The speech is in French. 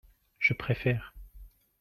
Je préfère.